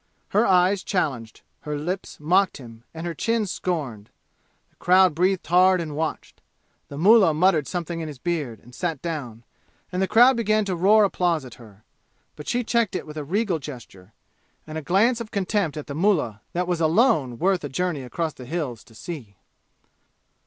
Her eyes challenged, her lips mocked him and her chin scorned. The crowd breathed hard and watched. The mullah muttered something in his beard, and sat down, and the crowd began to roar applause at her. But she checked it with a regal gesture, and a glance of contempt at the mullah that was alone worth a journey across the "Hills" to see.